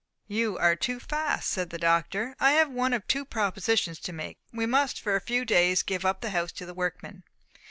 "You are too fast," said the Doctor. "I have one of two propositions to make. We must for a few days give up the house to the workmen.